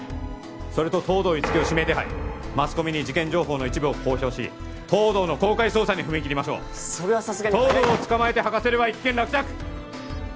それと東堂樹生を指名手配マスコミに事件情報の一部を公表し東堂の公開捜査踏み切りましょうそれはさすがに早い東堂を捕まえて吐かせれば一件落着！